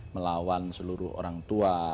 melawan seluruh orang tua